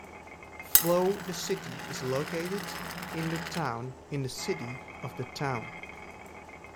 Flow the city is located in the town in the city of the town.